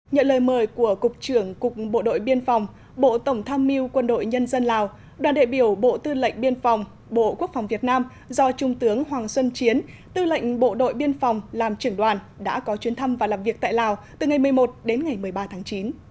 nhận lời mời của cục trưởng cục bộ đội biên phòng bộ tổng tham mưu quân đội nhân dân lào đoàn đệ biểu bộ tư lệnh biên phòng bộ quốc phòng việt nam do trung tướng hoàng xuân chiến tư lệnh bộ đội biên phòng làm trưởng đoàn đã có chuyến thăm và làm việc tại lào từ ngày một mươi một đến ngày một mươi ba tháng chín